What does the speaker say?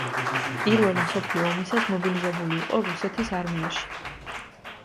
პირველი მსოფლიო ომისას მობილიზებული იყო რუსეთის არმიაში.